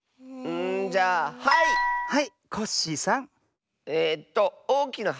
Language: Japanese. んじゃあはい！